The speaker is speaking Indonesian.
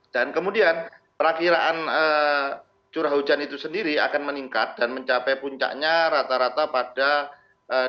dan kemudian perakhiran curah hujan itu sendiri akan meningkat dan mencapai puncaknya rata rata pada desember